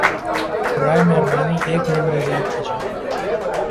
برائے مہربانی ایک منٹ انتظار کیجئیے!